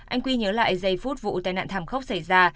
anh quy nhớ lại giây phút vụ tai nạn thảm khốc xảy ra